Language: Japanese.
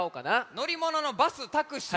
のりもののバスタクシー。